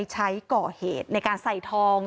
ผู้ชายเข้าไปที่ร้านขายเสื้อผู้ต้องสัย